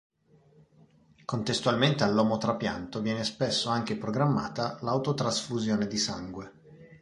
Contestualmente all'omotrapianto, viene spesso anche programmata l'autotrasfusione di sangue.